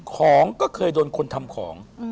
ของก็เคยโดนคนทำของ